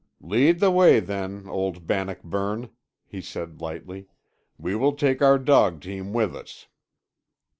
"Lead the way then, old Bannockburn," he said lightly, "we will take our dog team with us."